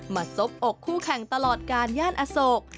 ซบอกคู่แข่งตลอดการย่านอโศก